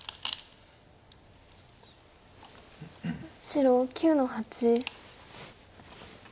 白９の八。